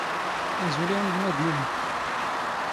ⴰⵣⵓⵍ ⴰ ⵉⵏⵍⵎⴰⴷⵏ ⵉⵏⵓ.